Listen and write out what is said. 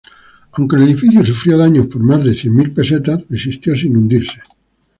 Aunque el edificio sufrió daños por más de cien mil pesetas, resistió sin hundirse.